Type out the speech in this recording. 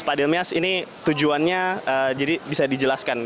pak dilyas ini tujuannya jadi bisa dijelaskan